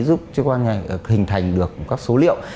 giúp cơ quan lý thức hình thành được các số liệu